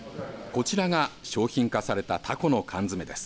こちらが商品化されたたこの缶詰です。